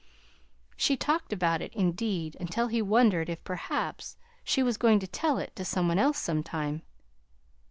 She talked about it, indeed, until he wondered if perhaps she were going to tell it to some one else sometime.